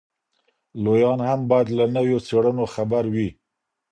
لویان هم باید له نویو څېړنو خبر وي.